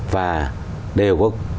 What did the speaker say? và đều có